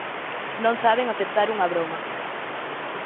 Non saben aceptar unha broma.